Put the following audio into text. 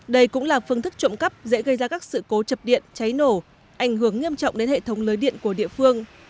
đây cũng là phương thức trộm cắp dễ gây ra các sự cố chập điện cháy nổ ảnh hưởng nghiêm trọng đến hệ thống lưới điện của địa phương